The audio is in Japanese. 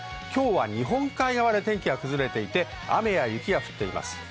日本海側で天気が崩れていて雨や雪が降っています。